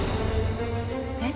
えっ？